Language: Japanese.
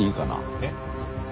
えっ？